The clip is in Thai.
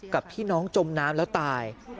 กับพี่น้องจมน้ำแล้วตาย